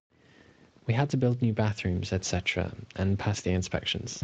We had to build new bathrooms, etc., and pass the inspections.